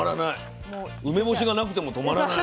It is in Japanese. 梅干しがなくても止まらない。